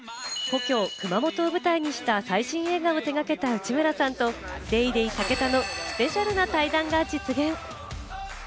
故郷・熊本を舞台にした最新映画を手がけた内村さんと『ＤａｙＤａｙ．』武田のスペシャルな対談が実現。